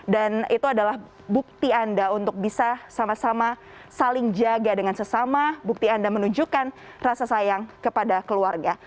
dan itu adalah bukti anda untuk bisa sama sama saling jaga dengan sesama bukti anda menunjukkan rasa sayang kepada keluarga